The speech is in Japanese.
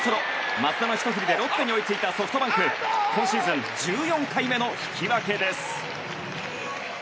松田のひと振りでロッテに追いついたソフトバンク。今シーズン１４回目の引き分けです。